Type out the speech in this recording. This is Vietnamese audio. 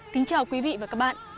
kính chào quý vị và các bạn